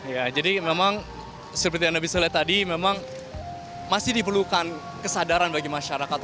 ya jadi memang seperti yang anda bisa lihat tadi memang masih diperlukan kesadaran bagi masyarakat